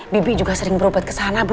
bibi juga sering berobat kesana bu